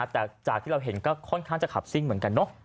แต่จากที่เราเห็นก็ค่อนข้างจะขับซิ่งเหมือนกันเนอะ